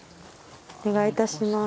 お願い致します。